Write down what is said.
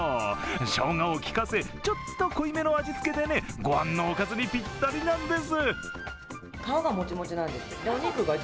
しょうがを効かせ、ちょっと濃いめの味付けでね、御飯のおかずにぴったりなんです。